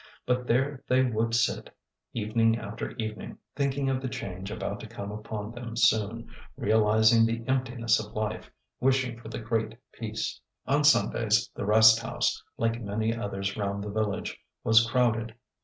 But there they would sit, evening after evening, thinking of the change about to come upon them soon, realizing the emptiness of life, wishing for the Great Peace. On Sundays the rest house, like many others round the village, was crowded.